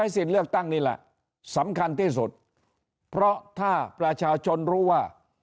สำคัญที่สุดเพราะถ้าประชาชนรู้ว่า